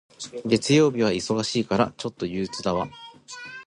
月曜日は忙しいから、ちょっと憂鬱だわ。